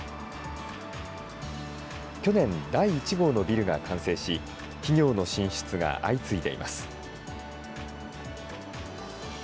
去年、第１号のビルが完成し、企業の進出が相次いでいます。